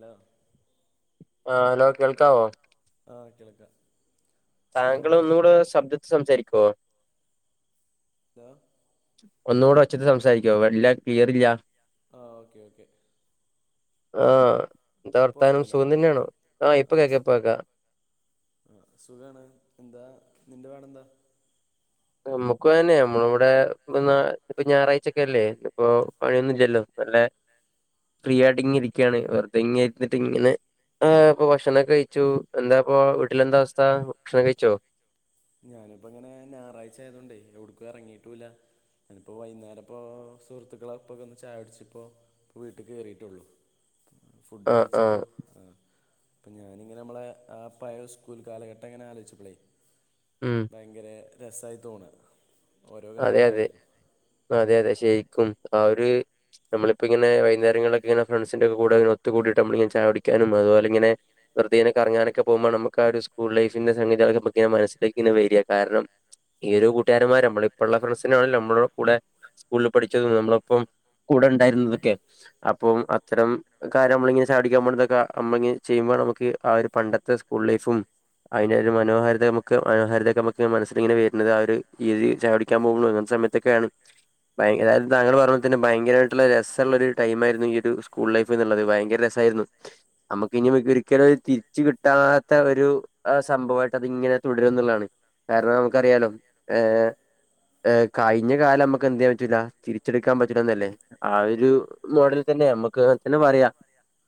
Law ആഹ് hello കേൾക്കാവോ ആഹ് കെൾക്ക താങ്കൾ ഒന്നൂടെ ശബ്ദത്തി സംസാരിക്കോ എന്തവ ഒന്നുകൂടെ ഒച്ചത്തി സംസാരിക്കുവോ വലിയ ക്ലിയറില്ല ആഹ് എന്താ വർത്താനം സുഖം തന്നെയാണോ ആഹ് ഇപ്പൊ കേക്ക ഇപ്പ കേക്കാ ആഹ് സുഖാണ് എന്താ നിന്റെ പാടെന്താ നമുക്കും ആയെന്നെ നമ്മളിവിടെ ഇ ഞായറാഴ്ചൊക്കെല്ലേ ഇപ്പൊ പണിയൊന്നുല്ലല്ലോ നല്ല ഫ്രീയായിട്ടിങ്ങനെ ഇരിക്കുകയാണ് വെറുതെ ഇങ്ങെനെ ഇരുന്നിട്ട് ഇങ്ങനെ ആഹ് ഇപ്പൊ ഭക്ഷണംക്കെ കഴിച്ചു എന്താപ്പോ വീട്ടിലെന്ത അവസ്ഥ ഭക്ഷണം കഴിച്ചോ ഞാനിപ്പോങ്ങനെ ഞായറാഴ്ച ആയതോണ്ടേ എവിടുക്കും ഇറങ്ങിട്ടൂല്ല എനിപ്പോ വൈകുന്നേരപ്പോ സുഹൃത്തുക്കളെപ്പൊക്കന്ന് ചായുടിച്ചിപ്പോ ഇപ്പോൾ വീട്ടിൽ കയറിയിട്ടുള്ളൂ ഫുഡ് കഴിച്ചിപ്പോ ആഹ് പ്പൊ ഞാനിങ്ങനെ നമ്മളെ ആ പയെ സ്കൂൾ കാലഘട്ടം ഇങ്ങനെ ആലോചിച്ചപ്പളേ ഭയങ്കര രസമായി തോണ് അതെയതെ അതെ അതെ ശരിക്കും ആ ഒരു നമ്മളിപ്പോ ഇങ്ങനെ വൈകുന്നേരങ്ങളൊക്കെ ഫ്രണ്ട്സിന്റെക്കെ കൂടെ ഒത്തു കൂടീട്ടിങ്ങനെ ചായുടിക്കാനും അതുപോലെയിങ്ങെനെ വറുതേയിങ്ങനെ കറങ്ങാനൊക്ക പോകുമ്പോ നമുക്ക് ഒരു സ്കൂൾ ലൈഫിന്റെ സംഗതീക്കെ മനസിലേക്ക് ഇന്ന് വരിക കാരണം ഈ ഒരു കൂട്ടുകാരന്മാര് നമ്മളെ ഇപ്പോഴുള്ള ഫ്രണ്ട്സിനാണെല്ലോ നമ്മുടെ കൂടെ സ്കൂളിൽ പഠിച്ചതും നമ്മളിപ്പം കൂടെ ഉണ്ടായിരുന്നതൊക്കെ അപ്പം അത്തരം കാര്യം നമ്മളിങ്ങനെ ചായുടിക്കാൻപോന്നതൊക്ക നമ്മള ചെയ്യുമ്പോ നമുക്ക് ആ ഒരു പണ്ടത്തെ സ്കൂൾ ലൈഫും അയിനൊരു ഒരു മനോഹാരിത നമുക്ക് മനോഹാരിതക്കെ നമുക്ക് മനസ്സിൽ ഇങ്ങനെ വരുന്നത് ആ ഒരു ഈ ചായുടി ക്കാൻ പോകുമ്പോങ്ങനെ സമയത്തൊക്കെയാണ് ഭയങ്കര അതായത് താങ്കൾ പറഞ്ഞ തന്നെ ഭയങ്കരമായിട്ടുള്ള രസമുള്ളൊരു ടൈമായിരുന്നു ഈയൊരു സ്കൂൾ ലൈഫ് എന്നുള്ളത് ഭയങ്കര രസമായിരുന്നു നമുക്കിനി ഒരിക്കലും തിരിച്ച് കിട്ടാത്ത ഒരു സംഭവമായിട്ടതിങ്ങനെ തുടരും എന്നുള്ളതാണ് കാരണം നമുക്കറിയാലോ ഏ ഏ കഴിഞ്ഞ കാലം നമുക്കെന്ത് ചെയ്യാൻ പറ്റില്ല തിരിച്ചെടുക്കാൻ പറ്റില്ലന്നല്ലേ ആ ഒരു മോഡല്ത്തന്നെ നമ്മുക്ക് തന്നെ പറയാ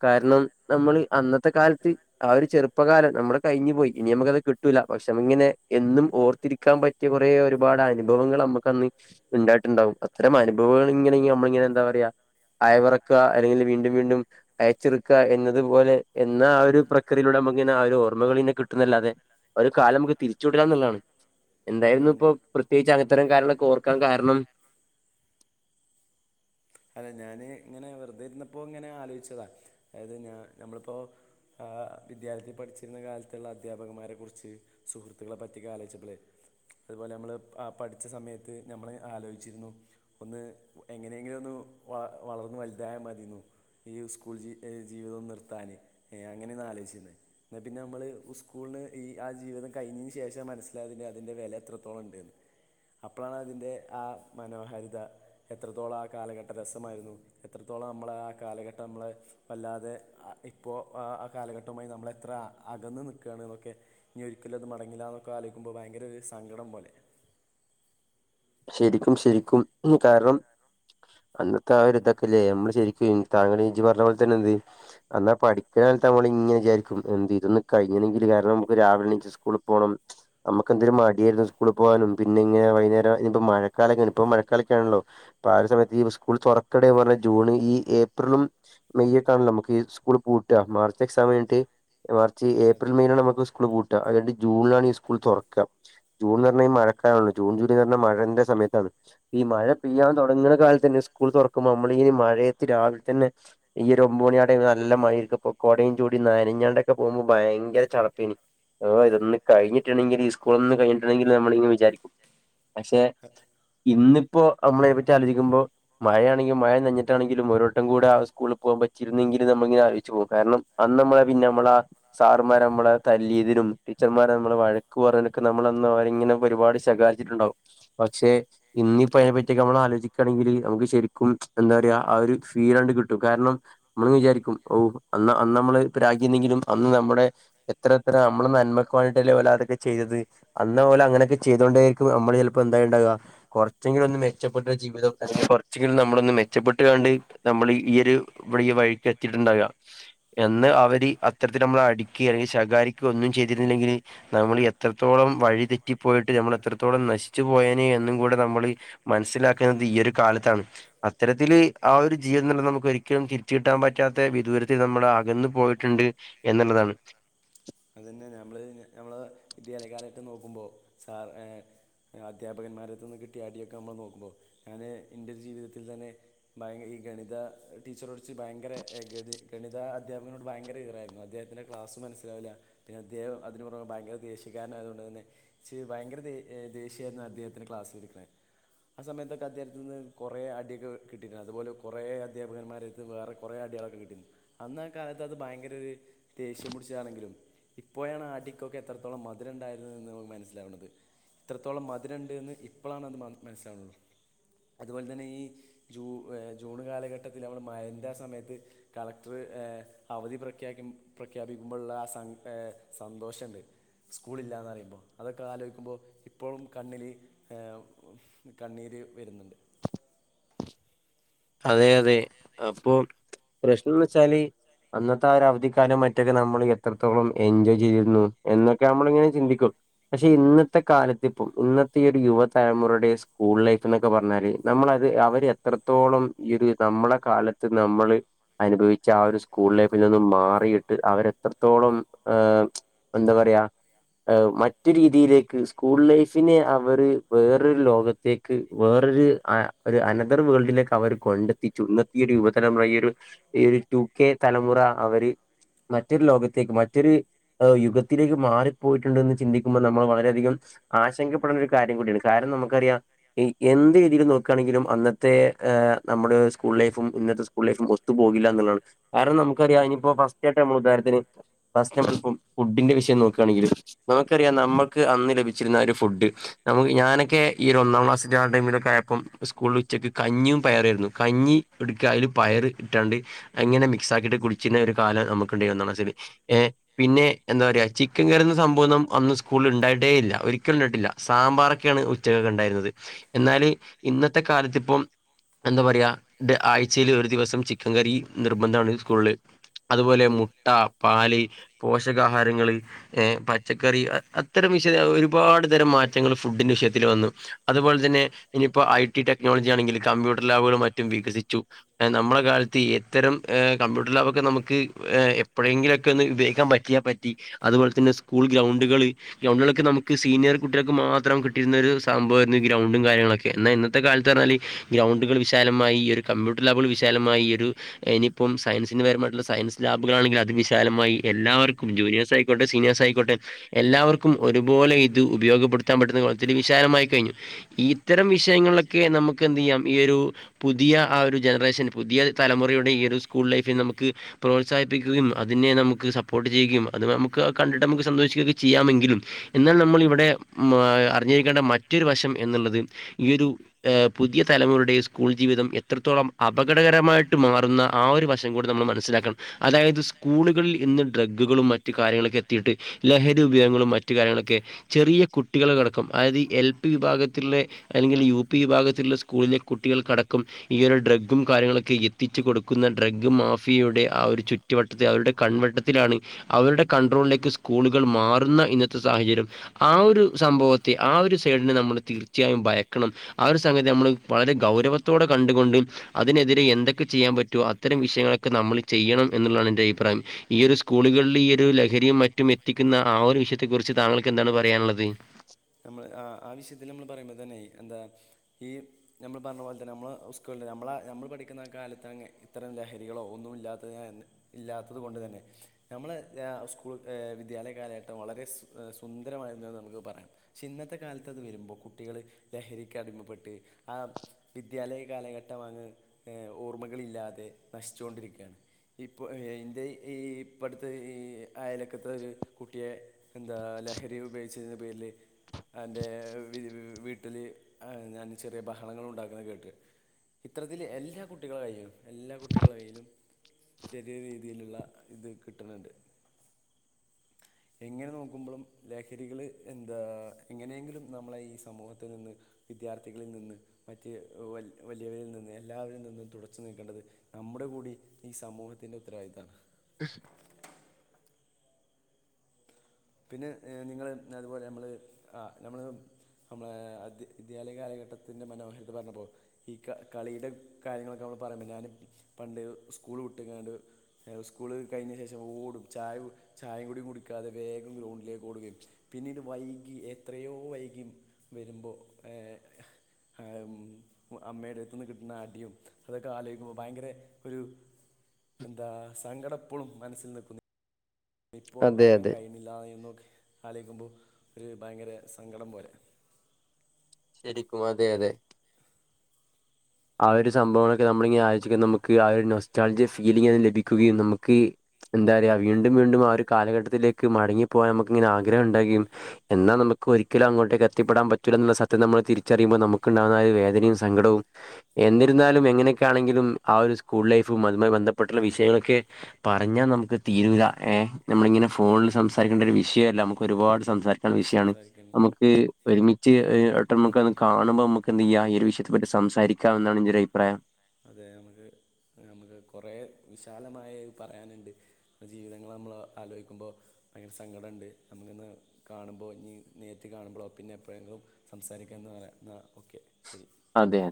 കാരണം നമ്മള് അന്നത്തെ കാലത്ത് ആ ഒരു ചെറുപ്പകാലം നമ്മുടെ കഴിഞ്ഞു പോയി ഇനി നമുക്കത് കിട്ടൂല പക്ഷെ നമ്മയതിങ്ങനെ എന്നും ഓർത്തിരിക്കാൻ പറ്റ് റ്റിയ കുറേ ഒരുപാട അനു ഭവങ്ങൾ നമ്മുക്ക് അന്ന് ഇ ണ്ടായിട്ടുണ്ടാവും അത്തരം അനുഭവങ്ങൾ ഇങ്ങനെ നമ്മളിങ്ങനെ എന്താ പറയാ അയവിറക്കുക അല്ലെങ്കിൽ വീണ്ടും വീണ്ടും അയച്ചെറക്കുക എന്നതുപോലെ എന്ന ആ ഒരു പ്രക്രിയയിലൂടെ നമ്മക്കിങ്ങനെ ആ ഒരു ഓർമ്മകൾ ഇന്നെ കിട്ടുന്നല്ലാതെ ഒരു കാലം നമുക്ക് തിരിച്ചു വിടുക എന്നുള്ളതാണ് എന്തായിരുന്നു ഇപ്പൊ പ്രത്യേകിച്ച് അങ്ങനത്തരം കാര്യങ്ങളൊക്കെ ഓർക്കാൻ കാരണം അല്ല ഞാന് ഇങ്ങനെ വെറുതെ ഇരുന്നപ്പോ ഇങ്ങനെ ആലോചിച്ചതാ അതായത് ഞാ ഞമ്മളിപ്പോ ആ വിദ്യാലയത്തിൽ പഠിച്ചിരുന്ന കാലത്തുള്ള അധ്യാപകന്മാരെക്കുറിച്ച് സുഹൃത്തുക്കളെ പറ്റിയൊക്കെ ആലോചിച്ചപ്പളേ അതുപോലെ നമ്മള് ആഹ് പഠിച്ച സമയത്ത് നമ്മൾ ആലോയിച്ചിരുന്നു ഒന്ന് എങ്ങനെയെങ്കിലും ഒന്ന് വ വളർന്നു വലുതായ മതിന്ന് ഈ സ്കൂൾ ജ ജീവിതം നിർത്താന് ഏഹ് അങ്ങനെയന്ന ആലോചിച്ചത് എന്നാ പിന്നെ നമ്മള് സ്കൂളിന് ഈ ആഹ് ജീവിതം കഴിഞ്ഞതിന് ശേഷം മനസ്സിലായത് അതിന്റെ വില എത്രത്തോളം ഉണ്ട്ന്ന് അപ്പോഴാണ് അതിന്റെ ആഹ് മനോഹാരിത എത്രത്തോളം ആഹ് കാലഘട്ടം രസമായിരുന്നു എത്രത്തോളം നമ്മള ആഹ് കാലഘട്ടം നമ്മെളെ വല്ലാതെ അതിപ്പോൾ ആഹ് കാലഘട്ടുമായി നമ്മളെത്ര അകന്നു നിക്കുകയാണെന്നൊക്കെ ഇനി ഒരിക്കലും അത് മടങ്ങില്ലാന്നൊക്കെ ആലോചിക്കുമ്പോ ഭയങ്കര ഒരു സങ്കടം പോലെ ശരിക്കും ശരിക്കും കാരണം അന്നത്തെ ആഹ് ഒരു ഇത ല്ലേ നമ്മള് ശരിക്കും താങ്കള് ജ്ജ് പറഞ്ഞ പോലെ തന്നെ എന്ത് എന്നാ പഠിക്കണാലത്ത് നമ്മളിങ്ങെ വിചാരിക്കും എന്ത് ഇതൊന്ന് കഴിഞ്ഞുന്നെങ്കില് കാരണം നമുക്ക് രാവിലെണീച്ചു സ്കൂളിൽ പോണം നമുക്ക് എന്തൊരു മടിയായിരുന്നു സ്കൂളിൽ പോകാനും പിന്നെ ഇങ്ങനെ വൈകുന്നേരം ഇനിയിപ്പൊ മഴക്കാലൊക്ക ഇപ്പോ മഴക്കാലൊക്കെ ആണല്ലോ അപ്പ ആഹ് ഒരു സമയത്ത് സ്കൂൾ തുറക്കടന്ന് പറഞ്ഞ ജൂണ് ഈ ഏപ്രിലും മെയ് ഒക്കെയാണല്ലോ സ്കൂൾ പൂട്ടുകാ മർച്ച് എക്സാമ് കഴിഞ്ഞിട്ട് മാർച്ച് ഏപ്രിൽ മെയിന നമക്ക് സ്കൂള്ൾ പൂട്ടും അണ്ട് ജൂണിലാണ് സ്കൂൾ തുറക്കുക ജൂൺന്ന് പറഞ്ഞൽ മഴക്കാലമാണ് ജൂൺ ജൂലൈന്ന് പറഞ്ഞാ മഴ ന്റെ സമയത്താണ് ഈ മഴ പെയ്യാൻ തുടങ്ങുന്ന കാലത്ത് തന്നെ സ്കൂൾ തുറക്കുമ്പോ നമ്മള ഇന മഴയത്ത് രാവിലെ തന്നെ ഈ ഒമ്പത് മണി ആഹ് ടൈംമില് നല്ല മഴക്ക് കോടയും ചൂടി നനഞ്ഞാണ്ട ഒക്കെ പോകുമ്പോ ഭയങ്കര ചടപ്പാനി ഓ ഇതൊന്ന് കഴിട്ടുണ്ടെങ്കില് ഈ സ്കൂളിൽന്ന് കൈഞ്ഞിട്ടുണ്ടെങ്കിൽ നമ്മളിങ്ങനെ വിചാരിക്കും പക്ഷെ ഇന്നിപ്പോ നമ്മളയിനെപറ്റി ആലോചിക്കുമ്പോ മഴയാണെങ്കിൽ മഴ നഞ്ഞിട്ടാണെങ്കിലും ഒരുവട്ടം കൂടി സ്കൂൽ പോകാൻ പറ്റിരുന്നെങ്കിൽ നമ്മൾ ഇങ്ങനെ ആലോചിച്ച് പോകും കാരണം അന്ന് നമ്മളെ പിന്നെ നമ്മള സാർമാർ നമ്മെ തല്ലിയതിനും ടീച്ചർമാരെ നമ്മള് വഴക്ക് പറഞ്ഞൊക്കെ നമ്മളന്ന് അവരിങ്ങനെ ഒരുപാട് ശഖാരിച്ചിട്ട് ഉണ്ടാവും പക്ഷെ ഇന്നപ്പോ അതിനെ പറ്റിയൊക്കെ നമ്മൾ ആലോചിക്കുകണെങ്കില് നമുക്ക് ശരിക്കും എന്താ പറയാ ആഹ് ഒരു ഫീൽണ്ട് കിട്ടും കാരണം നമ്മളങ് വിചാരിക്കും ഓ അന്ന് അന്ന് നമ്മള് പരാകിരുന്നേലും അന്ന് നമ്മുടെ എത്ര എത്ര നമ്മള് നന്മയ്ക്ക് വേണ്ടിട്ടല്ലേ പോലെ അതൊക്കെ ചെയ്തത് അന്ന് ഓല് അങ്ങനെക്കെ ചെയ്ത കോണ്ടായിരിക്കും നമ്മള് ചെലപ്പോ എന്താ ഉണ്ടാവുക കുറച്ചെങ്കിലും ഒന്ന് മെച്ചപ്പെട്ട ജീവിതം അല്ലെങ്ക കൊറച്ചെങ്കിലും നമ്മളന്ന് മെച്ചപ്പെട്ട കണ്ട് നമ്മള് ഈ ഒരു ഇവിടെ ഈ വഴിക്ക് എത്തിയിട്ടുണ്ടാകാം എന്ന് അവര് അത്തരത്തിൽ നമ്മൾ അടിക്കുകയും അല്ലെങ്കിൽ ശകാരിക്കുക ഒന്നും ചെയ്തിരുന്നില്ലെങ്കിൽ നമ്മൾ എത്രത്തോളം വഴിതെറ്റിപ്പോയിട്ട് നമ്മൾ എത്രത്തോളം നശ ച്ചു പോയേനെ എന്നും കൂടെ നമ്മൾ മനസ്സിലാക്കുന്നത് ഈ ഒരു കാലത്താണ് അത്തരത്തില് ആഹ് ഒരു ജീവിത തന്നെ നമുക്ക് ഒരിക്കലും തിരിച്ച കിട്ടാൻ പറ്റാത്ത വിദൂരത്തിൽ നമ്മള് അകന്നു പോയിട്ടുണ്ട് എന്നുള്ളതാണ് അതു തന്നെ ഞമ്മൾ നമ്മൾ ഇത് കാലായിട്ട് നോക്കുമ്പോ സാർ ഏഹ് അധ്യാപകന്മാരെു നിന്ന് കിട്ടിയ അടിയോക്കെ നമ്മൾ നോക്കുമ്പോൾ ഞാൻ എൻ്റെ ജീവിതത്തിൽ തന്നെ ഭയ ഈ ഗണിത ടീച്ചർച്ച് ഭയങ്കരി ഗണിത അധ്യാപകനോട് ഭയങ്കര ഇതായിരുന്നു അദ്ദേഹത്തിന്റെ ക്ലാസ് മനസ്സിലാവില്ല പിന്നെ അദ്ദേഹം അതിനു പുറമേ ഭയക്ക ദേഷ്യയകാരൻ ആയതുകൊണ്ട് തന്നെ ഭയങ്കര ദേഷ്യയായിരുന്നു അദ്ദേഹത്തിന് ക്ലാസ് ഇരിക്കുന്നേ ആഹ് സമയത്തൊക്കെ അദ്ദേഹത്തിൽ നിന്ന് കുറേ അടിയൊക്കെ കിട്ടിയിട്ടണ്ട് അതുപോലെ കുറേ അധ്യാപകന്മാര് അത് വേറെ കുറെ അടികളൊക്കെ കിട്ടി അന്ന ആഹ് കാലത്ത് അത് ഭയങ്കര ഒരു ദേഷ്യം പിടിച്ചാണെങ്കിലും ഇപ്പോയാണ് ആഹ് അടിക്കൊക്കെ എത്രത്തോളം മധുര ഉണ്ടായിരുന്ന എന്ന് നമുക്ക് മനസ്സിലാവുന്നത് ഇത്രത്തോളം മധുരണ്ട് എന്ന് ഇപ്പോഴാണ് അത് മനസ്സിലാവത് അതുപോലെ തന്നെ ഈ ജൂ ജൂൺ കാലഘട്ടത്തിൽ മഴന്റെ ആഹ് സമയത്ത് കളക്ടർ അവധി പ്രഖ്യാപി പ്രഖ്യാപിക്കുമ്പോഴുള്ള ആഹ് സന്തോഷമുണ്ട് സ്കൂളില്ലാന്ന് പറുമ്പോ അതോക്കെ ആലോചിക്കുമ്പോൾ ഇപ്പോഴും കണ്ണില് കണ്ണീര് വരുന്നുണ്ട് അതെ അതെ അപ്പൊ പ്രശ്നംന്ന് വെച്ചാല് അന്നത്തെ ആ ഒരാ അവധിക്കാലം മറ്റൊക്കെ നമ്മൾ എത്രത്തോളം എൻജോയ് ചെയ്തിരുന്നു എന്നൊക്കെ നമ്മളിങ്ങനെ ചിന്തിക്കും പക്ഷെ ഇന്നത്തെ കാലത്ത് ഇപ്പം ഇന്നത്തെ ഈ യുവതലമുറയുടെ സ്കൂൾ ലൈഫ് ന്നൊക്കെ പറഞ്ഞാല് നമ്മളത് അവര് എത്രത്തോളം ഈയൊര് നമ്മള കാലത്ത് നമ്മള് അനുഭവിച്ച ആ ഒരു സ്കൂൾ ലൈഫിൽ നിന്നും മാറിയിട്ട് അവരെത്രത്തോളം ഏഹ് എന്താ പറയാ ഏഹ് മറ്റൊര് രീതിയിലേക്ക് സ്കൂൾ ലൈഫിനെ അവര് വേറൊരു ലോക ത്തേക്ക് വേറൊര് അ ഒരു അനദർ വേൾഡിലേക്ക് അവർ കൊണ്ടെത്തിച്ചു. ഇന്നത്തിയൊരു യുവതലമുറ ഈ ഒരു ഈ ഒരു റ്റു കെ തലമുറ അവര് മറ്റൊരു ലോകത്തേക്ക് മറ്റൊര് ഏഹ് യുഗത്തിലേക്ക് മാറിപ്പോയിട്ടുണ്ട് ന്ന് ചിന്തിക്കുമ്പം നമ്മൾ വളരെയധികം ആശങ്കപ്പെടേണ്ട ഒരു കാര്യം കൂടിയാണ്. കാരണം നമുക്കറിയാ ഇ എന്ത് രീതില് നോക്കാണെങ്കിലും അന്നത്തെ ഏഹ് നമ്മുടെ സ്കൂൾ ലൈഫും ഇന്നത്തെ സ്കൂൾ ലൈഫും ഒത്തു പോകില്ല എന്നുള്ളാണ് കാരണം നമുക്കറിയാ ഇനിപ്പോ ഫസ്റ്റ് ആയിട്ട് നമ്മൾ ഉദാഹരത്തിന് ഫസ്റ്റ് നമ്മളിപ്പോ ഫുഡിന്റെ വിഷയം നോക്കാണെങ്കിൽ നമുക്കറിയാം നമ്മക്ക് അന്ന് ലഭിച്ചിരുന്ന ഒരു ഫുഡ്, നമക്ക് ഞാനൊക്കെ ഈ ഒരു ഒന്നാം ക്ലാസ്സിൻ്റെ ആ ടൈമിലൊക്കെ ആയപ്പം സ്കൂളിൽ ഉച്ചയ്ക്ക് കഞ്ഞിയും പയറു ആയിരുന്നു. കഞ്ഞി ഇടുക്കാ അയ്ല് പയർ ഇട്ടാണ്ട് അങ്ങനെ മിക്സ് ആക്കിട്ട് കുടിച്ചീന ഒരു കാലം നമുക്ക് ഇണ്ടായ്നി ഒന്നാം ക്ലാസില് പിന്നെ എന്താ പറയാ ചിക്കൻ കറി എന്ന സംഭവൊന്നും അന്ന് സ്കൂളിൽ ഇണ്ടായിട്ടേ ഇല്ല ഒരിക്കലും ഇണ്ടായിട്ടില്ല. സാമ്പാറൊക്കേണ് ഉച്ചകൊക്കെ ഉണ്ടായിരുന്നത് എന്നാല് ഇന്നത്തെ കാലത്തിപ്പം എന്താ പറയാ ദ് ആയ്ചേല് ഒരു ദിവസം ചിക്കൻ കറി നിർബന്ധാണ് സ്കൂളില് അതുപോലെ മുട്ട, പാല്, പോഷകാഹാരങ്ങള് ഏഹ് പച്ചക്കറി അത്തരം വിഷയ ഒരുപാട് തരം മാറ്റങ്ങൾ ഫുഡിന്റെ വിഷയത്തിൽ വന്നു അതുപോലെ തന്നെ ഇനിയിപ്പോ ഐ ടി ടെക്നോളജി ആണെങ്കിൽ കമ്പ്യൂട്ടർ ലാബുകളും മറ്റും വികസിച്ചു എഹ് നമ്മളെ കാലത്ത് എത്തരം കമ്പ്യൂട്ടർ ലാബൊക്കെ നമുക്ക് ഏഹ് എപ്പഴെങ്കിലൊക്കെ ഒന്ന് ഉപയോഗിക്കാൻ പ റ്റിയാ പറ്റി. അതുപോലെ തന്നെ സ്കൂൾ ഗ്രൗണ്ടുകള് ഗ്രൗണ്ടുകളൊക്കെ നമുക്ക് സീനിയർ കുട്ടികൾക്ക് മാത്രം കിട്ടിയിരിന്നൊരു സംഭവായിരുന്നു ഗ്രൗണ്ടും കാര്യങ്ങളൊക്കെ. എന്നാ ഇന്ന ത്തെ കാലത്ത് പർഞ്ഞാല് ഗ്രൗണ്ടുകൾ വിശാലമായി ഈയൊര് കമ്പ്യൂട്ടർ ലാബുകൾ വിശാലമായി ഈയൊരു ഇനിയിപ്പം സയൻസിന് പരമായിട്ടുള്ള സയൻസ് ലാബുകളാണെങ്കിൽ അത് വിശാലമായി എല്ലാവർക്കും ജൂനിയേഴ്‌സായി ക്കോട്ടെ സീനിയേഴ്സായിക്കോട്ടെ എല്ലാവർക്കും ഒരുപോലെ ഇത് ഉപയോഗപ്പെടുത്താൻ പറ്റുന്ന കോൽ ത്തില് വിശാലമായി കഴിഞ്ഞു. ഈത്തരം വിഷയങ്ങളിലൊക്കെ നമുക്ക് എന്ത് ചെയ്യാം ഈയൊരു പുതിയ ആ ഒരു ജനറേഷൻ പുതിയ തലമുറയുടെ ഈ ഒരു സ്കൂൾ ലൈഫിൽ നമുക്ക് പ്രോത്സാഹിപ്പിക്കുകയും അതിനെ നമുക്ക് സപ്പോർട്ട് ചെയ്യുകയും അത് നമുക്ക് കണ്ടിട്ട് നമുക്ക് സന്ദോഷിക്കൊക്കെ ചെയ്യാമെങ്കിലും എന്നാൽ നമ്മൾ ഇവടെ അറിഞ്ഞിരിക്കേണ്ട മറ്റൊരു വശം എന്നുള്ളത് ഈയൊരു ഏഹ് പുതിയ തലമുറുടെ യീ സ്കൂൾ ജീവിതം എത്രത്തോളം അപകടകരമായിട്ട് മാറുന്ന ആ ഒരു വശം കൂടി നമ്മൾ മനസ്സിലാക്കണം അതായത് സ്കൂളുകളിൽ ഇന്ന് ഡ്രഗ്ഗുകളും മറ്റു കാര്യങ്ങളൊക്കെ എത്തിയിട്ട് ലഹരി ഉപയോഗങ്ങളും മറ്റു കാര്യങ്ങളൊക്കെ ചെറിയ കുട്ടികൾക്കടക്കം അതായത് ഈ എൽ പി വിഭാഗത്തിലെ അല്ലെങ്കിൽ യു പി വിഭാഗത്തിലെ സ്കൂളിലെ കുട്ടികൾക്കടക്കം ഈ ഒരു ഡ്രഗും കാര്യങ്ങളൊക്കെ എത്തിച്ചു കൊടുക്കുന്ന ഡ്രഗ്ഗ് മാഫിയയുടെ ആ ഒരു ചു റ്റുവട്ടത്തിൽ അവരുടെ കൺവെട്ടത്തിലാണ് അവരുടെ കൺട്രോളിലേക്ക് സ്കൂളുകൾ മാറുന്ന ഇന്നത്തെ സാഹചര്യം ആ ഒരു സംഭവത്തെ ആ ഒരു സൈഡിനെ നമ്മൾ തീർച്ചയായും ഭയക്കണം. ആ ഒരു സംഘത്തെ നമ്മൾ വളരെ ഗൗരവത്തോടെ കണ്ടുകൊണ്ട് അതിനെതിരെ എന്തൊക്കെ ചെയ്യാൻ പറ്റോ അത്തരം വിഷയങ്ങളൊക്കെ നമ്മൾ ചെയ്യണം എന്നുള്ളാണ് എന്റെ അഭിപ്രായം ഈയൊരു സ്കൂളുകളില് ഈ ഒരു ലഹരിയും മറ്റും എത്തിക്കുന്ന ആ ഒരു വിഷയത്തെ കുറിച്ച് താങ്കൾക്ക് എന്താണ് പറയാനുള്ളത് നമ്മൾ ആഹ് ആ വിഷയത്തിൽ നമ്മൾ പറയുമ്പോ തന്നെ എന്താ ഈ ഞമ്മൾ പറഞ്ഞ പോലെ തന്നെ നമ്മളെ സ്കൂൾന് നമ്മള നമ്മൾ പഠിക്കുന്ന കാലത്തങ് ഇത്തരം ലഹരികളോ ഒന്നും ഇല്ലാത്തതിനാ എന്ന് ഇല്ലാത്തത് കൊണ്ട് തന്നെ നമ്മളെ ഏഹ് സ്കൂൾ ഏഹ് വിദ്യാലയ കാലഘട്ടം വളരെ സു ഏഹ് സുന്ദരമായിരുന്നു എന്ന് നമുക്ക് പറയാം ക്ഷേ ന്നത്തെ കാലത്ത് അത് വരുമ്പോ കുട്ടികള് ലഹരിക്ക് അടിമപ്പെട്ട് ആ വിദ്യാലയ കാലഘട്ടമങ്ങ് ങേ ഓർമ്മകളില്ലാതെ നശിച്ചുകൊണ്ടിരിക്കുകയാണ് ഇപ്പോൾ ഇന്റെ ഈ ഇപ്പടുത്തെ ഈ അയലക്കത്തെ ഒരു കുട്ടിയെ എന്താ ലഹരി ഉപയോഗിച്ചതിന്റെ പേരില് അന്റെ വി വീട്ടില് ചെറിയ ബഹണങ്ങളുണ്ടാക്കുണ കേട്ട് ഇത്തത്രത്തില് എല്ലാ കുട്ടികളായിലും എല്ലാ കുട്ടികളായിലും ചെറിയ രീതിയിലുള്ള ഇത് കിട്ടണണ്ട് എങ്ങനെ നോക്കുമ്പോളും ലഹരികള് എന്താ എങ്ങനെയെങ്കിലും നമ്മളെ ഈ സമൂഹത്തിൽ നിന്ന് വിദ്യാർത്ഥികളിൽ നിന്ന് മറ്റ് വലിയവരിൽ നിന്ന് എല്ലാവരിൽ നിന്നും തുടച്ചു നീക്കേണ്ടത് നമ്മുടെ കൂടി ഈ സമൂഹത്തിന്റെ ഉത്തരവാദിത്തമാണ് [inaudible] പിന്നെ നിങ്ങള് അതുപോലെ നമ്മള് ആഹ് നമ്മള് നമ്മളെ അദ്യ ഇദ്യാലയ കാലഘട്ടത്തിൻ്റെ മനോഹരത പറഞ്ഞപ്പോ ഈ ക കളീടെ കാര്യങ്ങളൊക്കെ നമ്മള് പറയുമ്പ ഞാന് പണ്ട് സ്കൂള് വിട്ട്ങ്ങാണ്ട് ഏഹ് സ്കൂള് കഴിഞ്ഞ ശേഷം ഓടും ചായ ചായിം കൂടി കുടിക്കാതെ വേഗം ഗ്രൗണ്ടിലേക്ക് ഓടുകയും പിന്നീട് വൈകി എത്രയോ വൈകി വരുമ്പോ ഏഹ് ഏഹ് ഉം അമ്മേടെത്ത്ന്ന് കിട്ട്ണ അടിയും അതൊക്കെ ആലോയ്ക്കുമ്പോ ഭയങ്കര ഒരു എന്താ സങ്കടപ്പഴും മനസ്സിൽ നിൽക്കുന്നു ഇപ്പോൾ അടങ്ങാൻ കഴിയുന്നില്ലാന്നും ആലോയിക്കുമ്പോൾ ഒരു ഭയങ്കര സങ്കടം പോലെ ശരിക്കും അതെ അതെ [inaudible] ആ ഒരു സംഭവൊക്കെ നമ്മള് ഇങ്ങനെ അയച്ച്ക്ക നമുക്ക് ആ ഒരു നോസ്റ്റാളജിയ ഫീലിംഗ് ലഭിക്കുകയും നമുക്ക് എന്താറയ വീണ്ടും വീണ്ടും ആ ഒരു കാലഘട്ടത്തിലേക്ക് മടങ്ങി പോകാൻ നമക്ക് ഇങ്ങനെ ആഗ്രഹം ഇണ്ടാകെയും എന്നാ നമുക്ക് ഒരിക്കലും അങ്ങോട്ടേക്ക് എത്തിപ്പെടാൻ പറ്റൂല ന്ന്ള്ള സ ത് നമ്മൾ തിരിച്ചറിയുമ്പോ നമുക്കുണ്ടാവുന്ന ഒരു വേദനേം സങ്കടോം എന്നിരുന്നാലും എങ്ങനെയൊക്കൊണെങ്കിലും ആ ഒരു സ്കൂൾ ലൈഫും അതുമായി ബന്ധപ്പെട്ടുള്ള വിഷയങ്ങളൊക്കെ പറഞ്ഞാ നമുക്ക് തീരൂല ഏഹ് നമ്മള് ഇങ്ങനെ ഫോണില് സംസാരിക്കണ്ടരു വിഷയല്ല നമുക്ക് ഒരുപാട് സംസാരിക്കണ്ട വിഷയാണ് നമുക്ക് ഒരുമിച്ച് ഈഹ് ട്ടൊമ്മക്കൊന്ന് കാണുമ്പോ മ്മക്ക് എന്തിയ്യാ ഈ ഒരു വിഷയത്തെ പറ്റി സംസാരിക്കാന്നാണ് എന്റൊരു അഭിപ്രായം അതെ മ്മക്ക് നമക്ക് കൊറേ വിശാലമായി പറയാന്ണ്ട് ജീവിതങ്ങൾ നമ്മള് ആലോയ്ക്കുമ്പോ ഭയങ്കര സങ്കടണ്ട് നമുക്കിന്ന് കാണുമ്പോ ഇഞ് നേരിട്ട് കാണുമ്പളോ പിന്നെ എപ്പോഴെങ്കിലും സംസാരിക്കാന്നറയാ എന്നാ ഓക്കെ ശരി അതെ